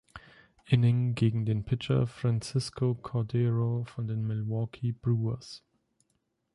Inning gegen den Pitcher Francisco Cordero von den Milwaukee Brewers.